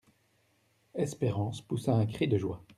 Espérance poussa un cri de joie.